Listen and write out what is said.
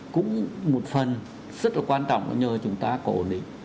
cũng một phần rất là quan trọng nhờ chúng ta có ổn định